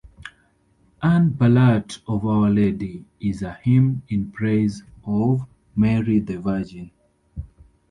"Ane Ballat of Our Lady" is a hymn in praise of Mary the Virgin.